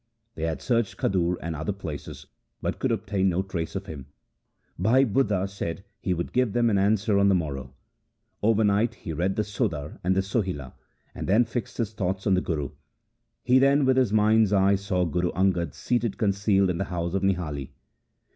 They had searched Khadur and other places, but could obtain no trace of him. Bhai Budha said he would give them an answer on the morrow. Overnight he read the Sodar and the Sohila, and then fixed his thoughts on the Guru. He then with his mind's eye saw Guru Angad sitting concealed in the house of Nihali.